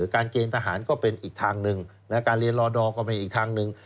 เกณฑ์ทหารก็เป็นอีกทางหนึ่งการเรียนรอดอร์ก็เป็นอีกทางหนึ่ง